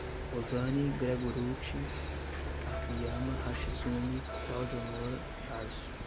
Rosani Gregorutti Akiyama Hashizumi, Claudionor, Tarso